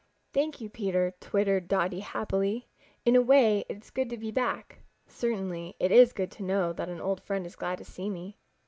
"Thank you, Peter," twittered Dotty happily. "In a way it is good to be back. Certainly, it is good to know that an old friend is glad to see me."